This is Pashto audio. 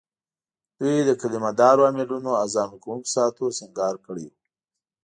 دوی د کلیمه دارو امېلونو، اذان ورکوونکو ساعتو سینګار کړي وو.